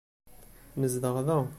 Nezdeɣ da.